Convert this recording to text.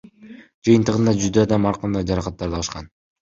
Жыйынтыгында жүздөй адам ар кандай жаракаттарды алышкан.